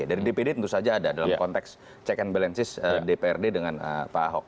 dari dpd tentu saja ada dalam konteks check and balances dprd dengan pak ahok